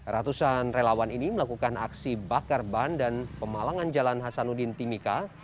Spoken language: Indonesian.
ratusan relawan ini melakukan aksi bakar ban dan pemalangan jalan hasanuddin timika